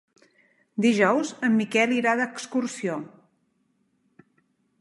Dijous en Miquel irà d'excursió.